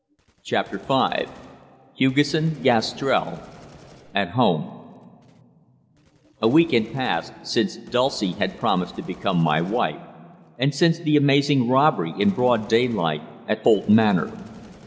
CHAPTER V HUGESSON GASTRELL AT HOME A week had passed since Dulcie had promised to become my wife, and since the amazing robbery in broad daylight at Holt Manor.